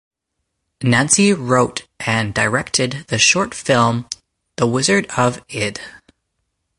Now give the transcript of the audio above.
Nancy wrote and directed the short film "The Wizard of Id".